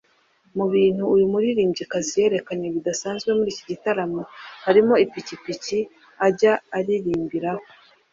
Mu bintu uyu muririmbyikazi yerekanye bidasanzwe muri iki gitaramo harimo ipikipiki ajya aririmbiraho